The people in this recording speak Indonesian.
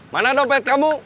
mana dopet kamu